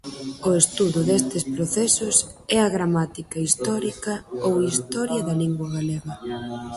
O estudo destes procesos é a Gramática histórica ou Historia da lingua galega.